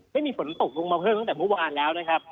ไม่มีฝนตกลงมาเพิ่มตั้งแต่เมื่อวานแล้วนะครับ